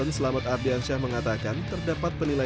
ingin menjadi pemain sepak bola profesional